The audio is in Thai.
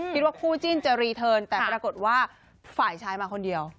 คิดว่าคู่จิ้นจะรีเทิร์นแต่ปรากฏว่าฝ่ายชายมาคนเดียว